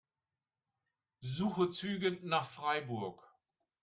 Suche Züge nach Freiburg.